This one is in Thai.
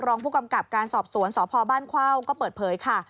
รองผู้กำกับการสอบสวนสพบ้านเข้าก็เปิดเผยค่ะ